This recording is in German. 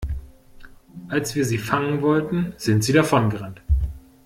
Als wir sie fangen wollten, sind sie davongerannt.